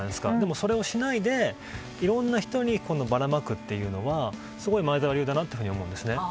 それをしないでいろんな人にばらまくのはすごい前澤流だなと思いますね。